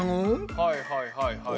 はいはいはいはい。